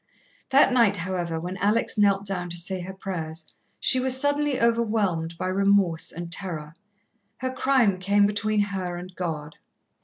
That night, however, when Alex knelt down to say her prayers, she was suddenly overwhelmed by remorse and terror. Her crime came between her and God.